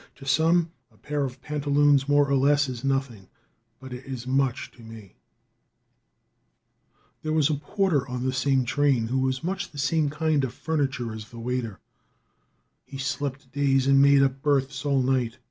To some a pair of pantaloons, more or less, is nothing, but it is much to me. [Illustration: SHOWING HIS INMOST THOUGHT.] There was a porter on the same train who was much the same kind of furniture as the waiter. He slept days and made up berths all night.